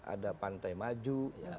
ada pantai maju